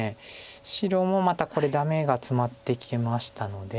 白もまたこれダメがツマってきましたので。